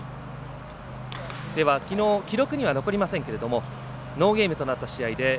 きのう、記録には残りませんがノーゲームとなりました